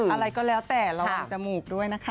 อะไรก็แล้วแต่ระวังจมูกด้วยนะคะ